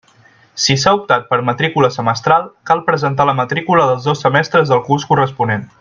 Si s'ha optat per matrícula semestral, cal presentar la matrícula dels dos semestres del curs corresponent.